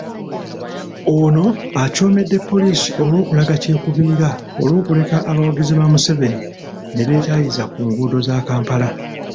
Ono acoomedde poliisi olw'okulaga kyekubiira olw'okuleka abawagizi ba Museveni nebeetaayiza ku nguudo za Kampala